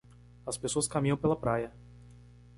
As pessoas caminham pela praia.